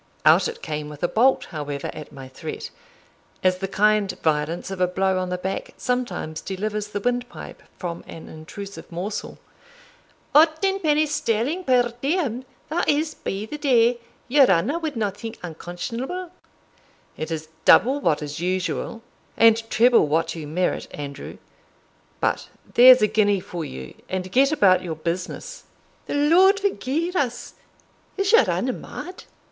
Out it came with a bolt, however, at my threat; as the kind violence of a blow on the back sometimes delivers the windpipe from an intrusive morsel. "Aughteen pennies sterling per diem that is, by the day your honour wadna think unconscionable." "It is double what is usual, and treble what you merit, Andrew; but there's a guinea for you, and get about your business." "The Lord forgi'e us! Is your honour mad?"